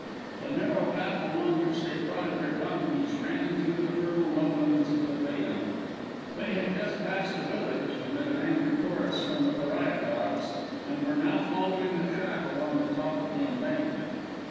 The narrow path along which they trotted their donkeys ran through the fertile lowlands of the Fayûm. They had just passed a village, amid an angry chorus from the pariah dogs, and were now following the track along the top of the embankment.